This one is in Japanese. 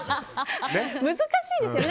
難しいですよね。